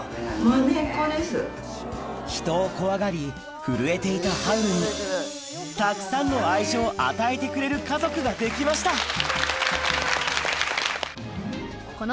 人を怖がり震えていたハウルにたくさんの愛情を与えてくれる家族ができました